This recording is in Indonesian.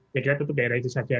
ya kita tutup daerah itu saja